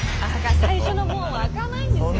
最初の門は開かないんですよね。